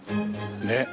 ねっ。